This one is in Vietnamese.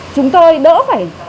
chúng tôi đỡ phải